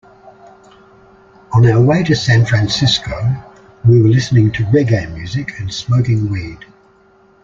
On our way to San Francisco, we were listening to reggae music and smoking weed.